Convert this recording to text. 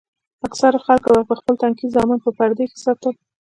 اکثرو خلکو به خپل تنکي زامن په پرده کښې ساتل.